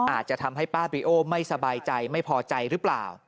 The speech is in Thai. อาจจะทำให้ป้าบริโอไม่สบายใจไม่พอใจหรือเปล่า